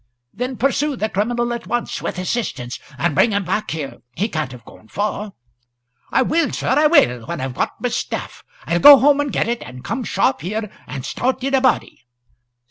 "Then pursue the criminal at once, with assistance, and bring him back here. He can't have gone far." "I will, sir, I will when I've got my staff. I'll home and get it, and come sharp here, and start in a body."